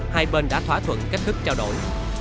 hai bên đã thỏa thuận cách thức trao đổi